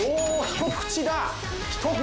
一口だ。